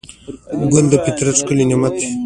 ګل د فطرت ښکلی نعمت دی.